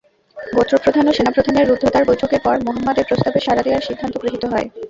গোত্রপ্রধান ও সেনাপ্রধানের রুদ্ধদ্বার বৈঠকের পর মুহাম্মাদের প্রস্তাবে সাড়া দেয়ার সিদ্ধান্ত গৃহীত হয়।